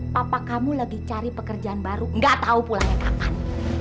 papa kamu lagi cari pekerjaan baru nggak tahu pulangnya kapan